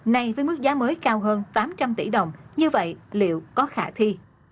nay với mức giá mới cao hơn tám trăm linh tỷ đồng như vậy liệu có khả thi